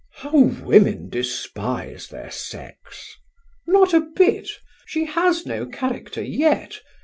"How women despise their sex!" "Not a bit. She has no character yet.